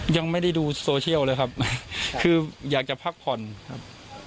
ยังไม่ได้ดูโซเชียลเลยครับคืออยากจะพักผ่อนครับ